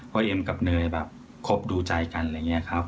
เอ็มกับเนยแบบคบดูใจกันอะไรอย่างนี้ครับ